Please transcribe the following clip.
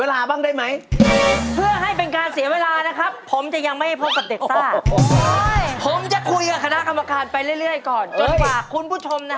และเพื่อไม่ให้เป็นการเสียเวลานะครับ